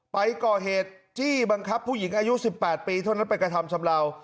ไปก่อเหตุจี้บังคับผู้หญิงอายุ๑๘ปีเท่านั้นไปกระทำชำเลา